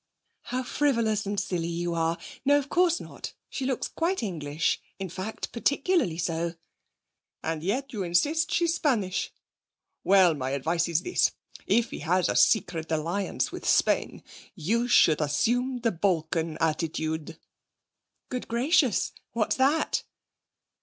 'How frivolous and silly you are. No, of course not. She looks quite English, in fact particularly so.' 'And yet you insist she's Spanish! Well, my advice is this. If he has a secret alliance with Spain, you should assume the Balkan attitude.' 'Good gracious! What's that?'